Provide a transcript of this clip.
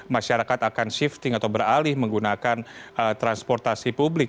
masyarakat akan shifting atau beralih menggunakan transportasi publik